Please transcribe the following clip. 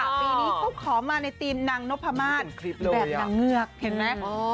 ปีนี้เขาขอมาในธีมนางนพมาศแบบนางเงือกเห็นไหม